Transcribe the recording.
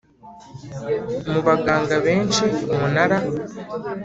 mu baganga benshi Umunara